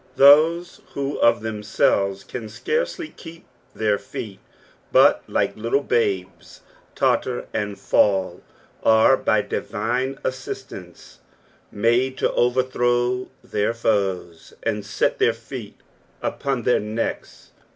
Those who of them selves can scarcely keep their feet, but like little bribes totter and fall, are by divine assistance made to overthrow their foes, and set their feet upon their necks.